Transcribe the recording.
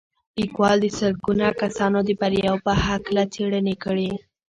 ليکوال د سلګونه کسانو د برياوو په هکله څېړنې کړې.